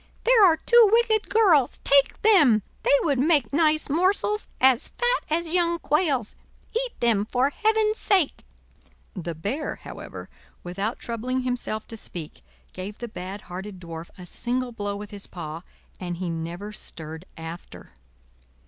There are two wicked girls, take them; they would make nice morsels, as fat as young quails; eat them for heaven's sake." The Bear, however, without troubling himself to speak, gave the bad hearted Dwarf a single blow with his paw, and he never stirred after.